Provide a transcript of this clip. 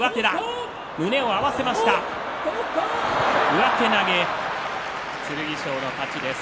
上手投げ、剣翔の勝ちです。